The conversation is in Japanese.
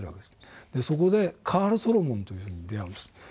そこでカール・ソロモンという人に出会うんです。